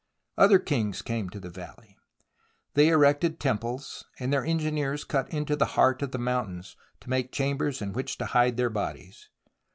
Other kings came to the valley. They erected temples, and their engineers cut into the heart of the mountains, to make chambers in which to hide their bodies.